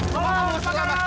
mama kamu harus selamat